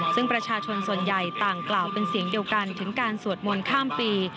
ซึ่งประชาชนส่วนใหญ่ต่างกล่าวเป็นเสียงเดียวกันถึงการสวดมนต์ข้ามปี